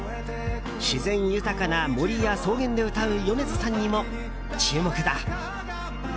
自然豊かな森や草原で歌う米津さんにも注目だ。